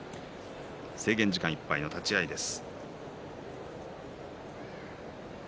制限時間いっぱいの立ち合いです。